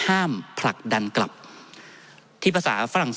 ท่านประธานครับนี่คือสิ่งที่สุดท้ายของท่านครับ